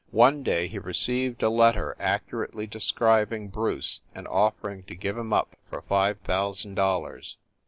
One day he received a letter accurately de scribing Bruce and offering to give him up for five thousand dollars.